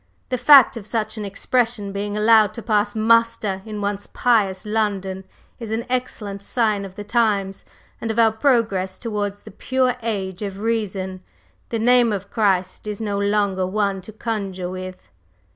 The fact of such an expression being allowed to pass muster in once pious London is an excellent sign of the times and of our progress towards the pure Age of Reason. The name of Christ is no longer one to conjure with."